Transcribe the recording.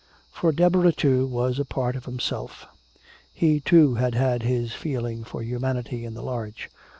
For Deborah, too, was a part of himself. He, too, had had his feeling for humanity in the large.